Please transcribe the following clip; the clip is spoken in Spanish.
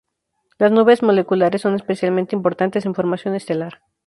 Las nubes moleculares son especialmente importantes en formación estelar.